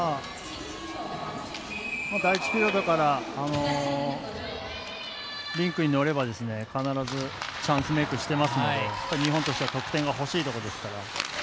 第１ピリオドからリンクに乗れば必ずチャンスメークしてますので日本としては得点がほしいところですから。